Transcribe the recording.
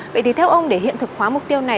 vậy thì theo ông để hiện thực hóa mục tiêu này